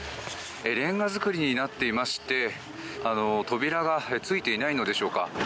レンガ造りになっていまして扉がついていないのでしょうか。